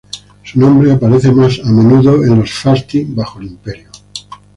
Su nombre aparece más a menudo en los Fasti bajo el Imperio.